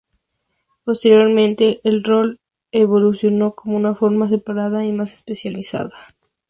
Posteriormente, el rol evolucionó en una forma separada y más especializada.